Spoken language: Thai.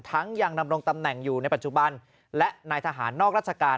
ยังดำรงตำแหน่งอยู่ในปัจจุบันและนายทหารนอกราชการ